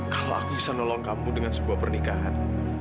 kalau aku bisa nolong kamu dengan sebuah pernikahan